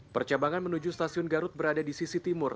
percabangan menuju stasiun garut berada di sisi timur